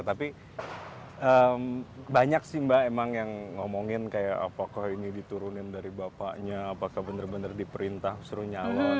tapi banyak sih mbak emang yang ngomongin kayak apakah ini diturunin dari bapaknya apakah benar benar diperintah suruh nyalon